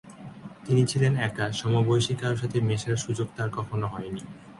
তিনি ছিলেন একা, সমবয়সী কারো সাথে মেশার সুযোগ তার কখনো হয়নি।